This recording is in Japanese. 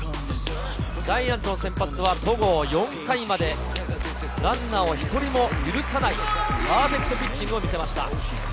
ジャイアンツの先発は戸郷、４回までランナーを１人も許さないパーフェクトピッチングを見せました。